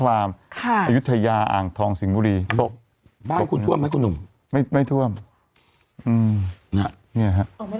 ไม่ไม่ทรวมอืมเนี้ยอะเอาไว้ทดลองทรวมไม่ทรวมเนี้ย